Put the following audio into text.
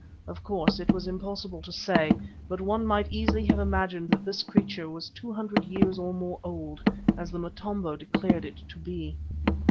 Of course, it was impossible to say, but one might easily have imagined that this creature was two hundred years or more old, as the Motombo had declared it to be.